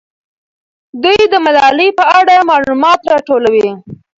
دوی د ملالۍ په اړه معلومات راټولوي.